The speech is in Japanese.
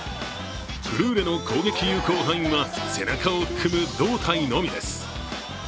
フルーレの攻撃有効範囲は、背中を含む胴体のみです。